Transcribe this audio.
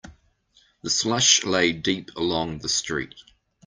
The slush lay deep along the street.